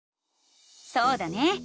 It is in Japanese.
そうだね！